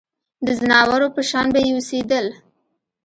د ځناورو په شان به یې اوسېدل.